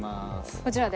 こちらで？